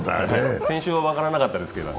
先週は分からなかったですけど。